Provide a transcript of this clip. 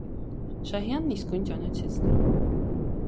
Շահյանն իսկույն ճանաչեց նրան: